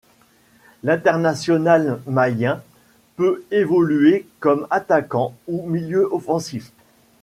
L'international malien peut évoluer comme attaquant ou milieu offensif.